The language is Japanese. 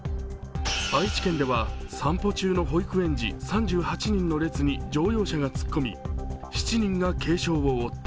愛知県では散歩中の保育園児３８人の列に乗用車が突っ込み、７人が軽傷を負った。